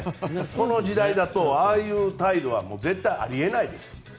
この時代だとああいう態度は絶対あり得ないです。